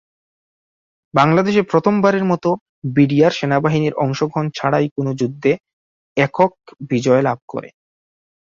বাংলাদেশে প্রথমবারের মতো বিডিআর সেনাবাহিনীর অংশগ্রহণ ছাড়াই কোন যুদ্ধে একক বিজয় লাভ করে।